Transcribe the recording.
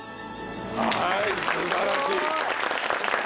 はい素晴らしい！